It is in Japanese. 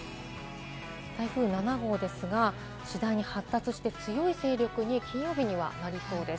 台風７号ですが、次第に発達して強い勢力に金曜日にはなりそうです。